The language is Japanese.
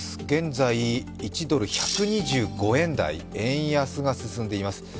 現在、１ドル＝１２５円台、円安が進んでいます。